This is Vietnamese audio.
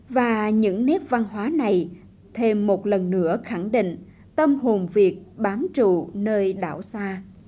và những nét văn hóa này thêm một lần nữa khẳng định tâm hồn việt bám trụ nơi đảo xa